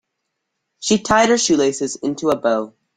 She tied her shoelaces into a bow.